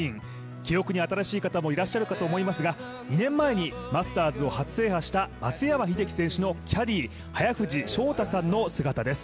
記憶に新しい方もいらっしゃるかと思いますが２年前にマスターズを初制覇した松山英樹選手のキャディー、早藤将太さんの姿です。